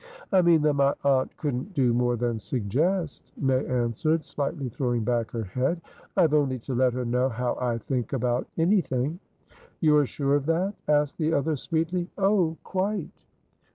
"I mean that my aunt couldn't do more than suggest," May answered, slightly throwing back her head. "I have only to let her know how I think about anything." "You are sure of that?" asked the other, sweetly. "Oh, quite!"